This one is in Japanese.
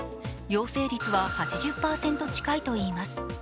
陽性率は８０％近いといいます。